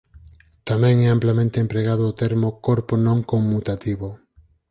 Tamén é amplamente empregado o termo "corpo non conmutativo.